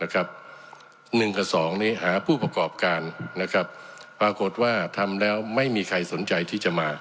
๑กับ๒นี้หาผู้ประกอบการปรากฏว่าทำแล้วไม่มีใครสนใจที่จะมา